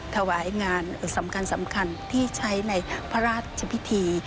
ถวายงานสำคัญที่ใช้ในพระราชพิธี